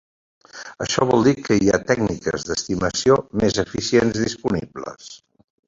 Això vol dir que hi ha tècniques d'estimació més eficients disponibles.